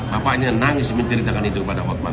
bapaknya nangis menceritakan itu kepada hotman